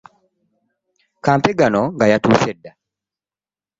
Kampegano nga yatusse dda